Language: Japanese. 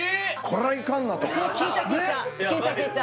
これはいかんなとねっ！